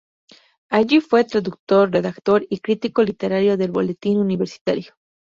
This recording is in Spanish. Allí fue "traductor, redactor y crítico literario" del "Boletín" universitario.